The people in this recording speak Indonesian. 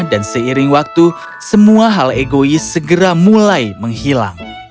dan seiring waktu semua hal egois segera mulai menghilang